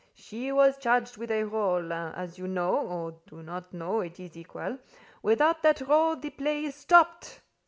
She was charged with a rôle, as you know, or do not know—it is equal: without that rôle the play is stopped.